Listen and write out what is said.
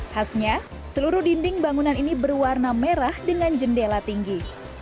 khasnya seluruh dinding bangunan ini berwarna merah dengan jendela tinggi